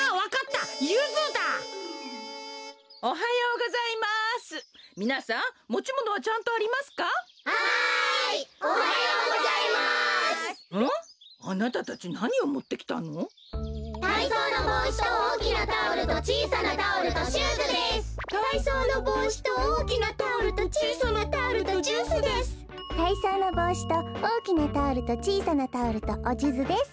たいそうのぼうしとおおきなタオルとちいさなタオルとおじゅずです。